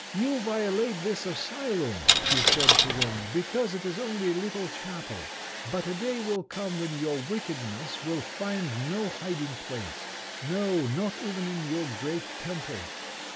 "You violate this asylum," he said to them, "because it is only a little chapel; but a day will come when your wickedness will find no hiding place no, not even in your great temple.